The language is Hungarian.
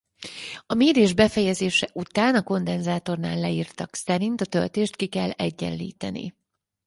A mérés befejezése után a kondenzátornál leírtak szerint a töltést ki kell egyenlíteni.